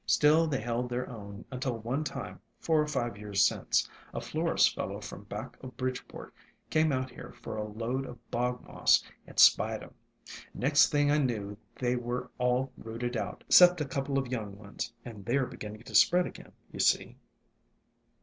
Still, they held their own until one time, four or five years since, a florist fellow from back of Bridgeport came out here for a load of bog moss, and spied 'em. Next thing I knew they were all rooted out, 'cept a couple of young ones, and they 're beginning to spread again, you see."